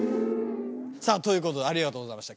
さぁということでありがとうございました。